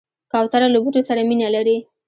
کوتره له بوټو سره مینه لري.